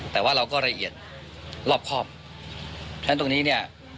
แต่ว่าเราก็ละเอียดรอบครอบฉะนั้นตรงนี้เนี่ย